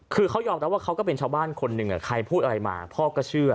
คือเขายอมรับว่าเขาก็เป็นชาวบ้านคนหนึ่งใครพูดอะไรมาพ่อก็เชื่อ